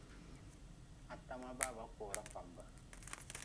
Atama baba kora kpambe.